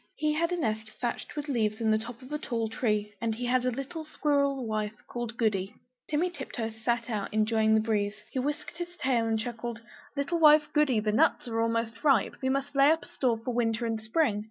He had a nest thatched with leaves in the top of a tall tree; and he had a little squirrel wife called Goody. Timmy Tiptoes sat out, enjoying the breeze; he whisked his tail and chuckled "Little wife Goody, the nuts are ripe; we must lay up a store for winter and spring."